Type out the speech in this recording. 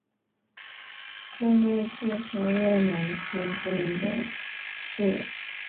莫洛季科沃农村居民点是俄罗斯联邦布良斯克州姆格林区所属的一个农村居民点。